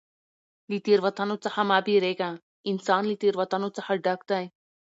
له تېروتنو څخه مه بېرېږه! انسان له تېروتنو څخه ډک دئ.